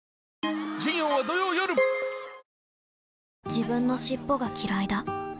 自分の尻尾がきらいだ